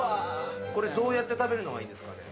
これどうやって食べるのがいいんですかね？